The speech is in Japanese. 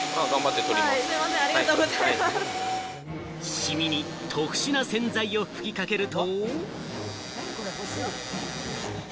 シミに特殊な洗剤をふきかけると。